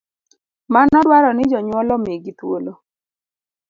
Mano dwaroni jonyuol omigi thuolo